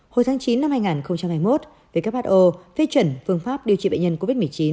hồi tháng chín năm hai nghìn hai mươi một who phê chuẩn phương pháp điều trị bệnh nhân covid một mươi chín